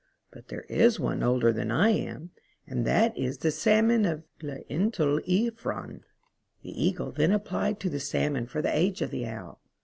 But there is one older than I am, and that is the Salmon of Glynllifon." The Eagle then applied to the Salmon for the age of the Owl.